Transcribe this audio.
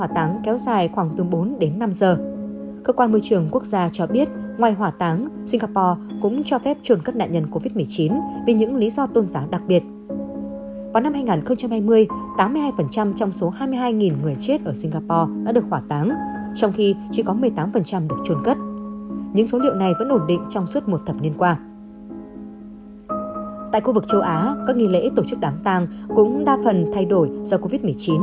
tại khu vực châu á các nghi lễ tổ chức đám tàng cũng đa phần thay đổi do covid một mươi chín